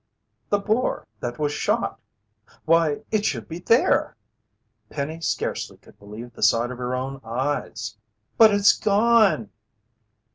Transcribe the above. "The boar that was shot why, it should be there!" Penny scarcely could believe the sight of her own eyes. "But it's gone!"